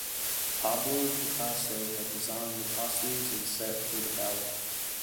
Pablo Picasso had designed the costumes and set for the ballet.